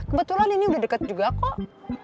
kebetulan ini udah dekat juga kok